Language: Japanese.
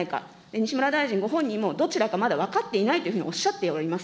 西村大臣ご本人もどちらかまだ分かっていないというふうにおっしゃっております。